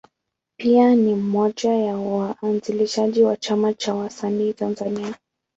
Pia ni mmoja ya waanzilishi wa Chama cha Wasanii Tanzania.